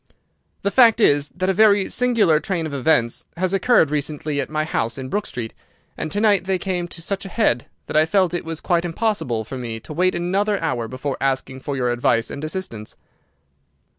The fact is that a very singular train of events has occurred recently at my house in Brook Street, and to night they came to such a head that I felt it was quite impossible for me to wait another hour before asking for your advice and assistance."